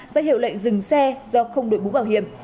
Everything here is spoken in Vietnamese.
giới hiệu lệnh dừng xe do không đổi bú bảo hiểm